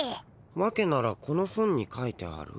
「わけならこの本にかいてある」？